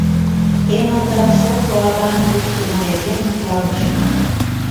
Эн ондак шошо агам ыштыме нерген мутланышна.